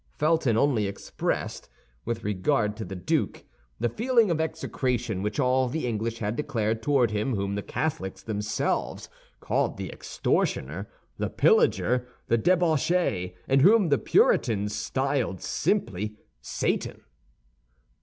Felton only expressed, with regard to the duke, the feeling of execration which all the English had declared toward him whom the Catholics themselves called the extortioner, the pillager, the debauchee, and whom the Puritans styled simply Satan.